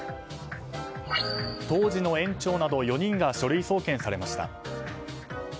当時の園長など４人が書類送検されました。